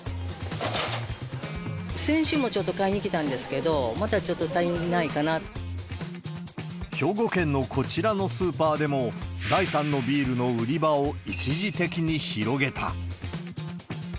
先週もちょっと買いに来たんですけど、またちょっと足りない兵庫県のこちらのスーパーでも、第３のビールの売り場を一時的に広げた。